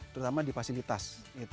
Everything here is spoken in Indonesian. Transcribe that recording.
terutama di fasilitas